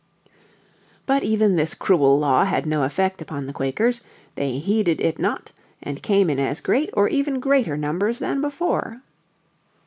But even this cruel law had no effect upon the Quakers. They heeded it not, and came in as great or even greater numbers than before.